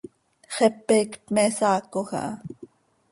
Xepe iicp me saacoj aha.